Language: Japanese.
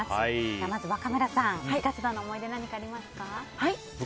まず、若村さん部活動の思い出何かありますか？